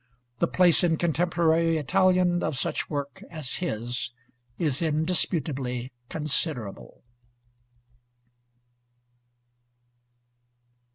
The place in contemporary Italian of such work as his is indisputably considerable.